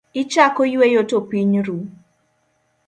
Ichako yueyo to piny ru.